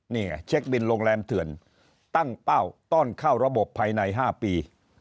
นี่เช็คบินโรงแรมเถื่อนตั้งเป้าต้อนเข้าระบบภายใน๕ปี